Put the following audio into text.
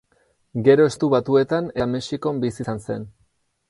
Gero Estatu Batuetan eta Mexikon bizi izan zen.